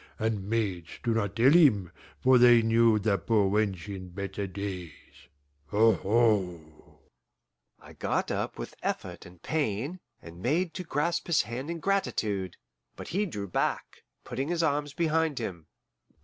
And maids do not tell him, for they knew the poor wench in better days aho!" I got up with effort and pain, and made to grasp his hand in gratitude, but he drew back, putting his arms behind him.